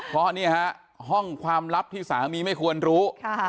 เพราะนี่ฮะห้องความลับที่สามีไม่ควรรู้